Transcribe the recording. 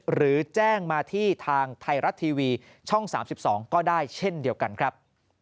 หรือแจ้งมาที่ทางไทยรัฐทีวีช่อง๓๒ก็ได้เช่นเดียวกันครับ